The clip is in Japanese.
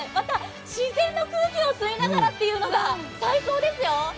自然の空気を吸いながらっていうのがまた、最高です。